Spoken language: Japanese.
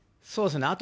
そうですね。